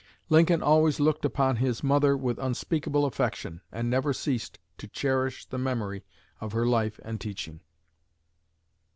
Lincoln always looked upon his mother with unspeakable affection, and never ceased to cherish the memory of her life and teaching.